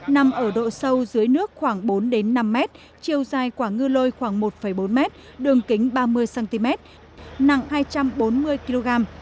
nằm ở độ sâu dưới nước khoảng bốn năm m chiều dài quả ngư lôi khoảng một bốn mét đường kính ba mươi cm nặng hai trăm bốn mươi kg